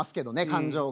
感情が。